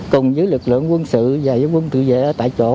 cùng với lực lượng quân sự và dân quân tự vệ ở tại chỗ